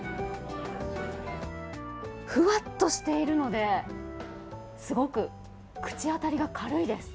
ふわっとしているのですごく口当たりが軽いです。